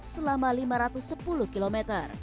selama lima ratus sepuluh km